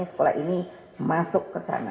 sekolah ini masuk ke sana